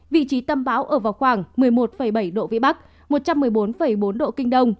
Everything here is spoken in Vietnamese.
vị trí tâm bão ở vào khoảng một mươi một bảy độ vĩ bắc một trăm một mươi bốn bốn độ kinh đông